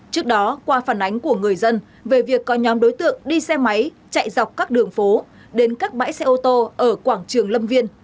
trước đó qua phản ánh của người dân về việc có nhóm đối tượng đi xe máy chạy dọc các đường phố đến các bãi xe ô tô ở quảng trường lâm viên